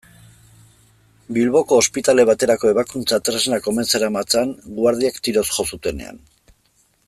Bilboko ospitale baterako ebakuntza-tresnak omen zeramatzan, guardiek tiroz jo zutenean.